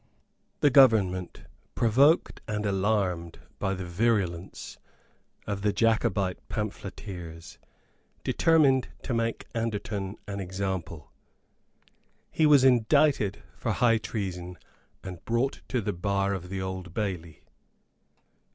The government, provoked and alarmed by the virulence of the Jacobite pamphleteers, determined to make Anderton an example. He was indicted for high treason, and brought to the bar of the Old Bailey.